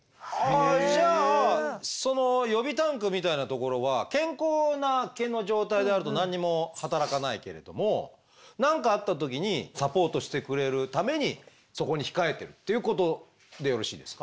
じゃあその予備タンクみたいなところは健康な毛の状態であると何にも働かないけれども何かあった時にサポートしてくれるためにそこに控えてるということでよろしいですか？